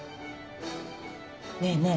ねえねえ